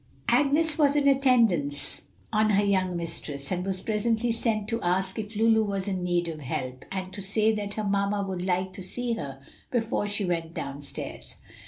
Agnes was in attendance on her young mistress, and was presently sent to ask if Lulu was in need of help, and to say that her mamma would like to see her before she went down stairs.